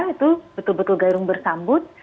itu betul betul garung bersambut